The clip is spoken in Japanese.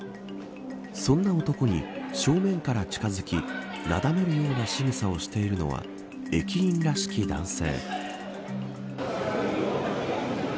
そんな男に、正面から近づきなだめるようなしぐさをしているのは駅員らしき男性。